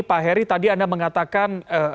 pak heri tadi anda mengatakan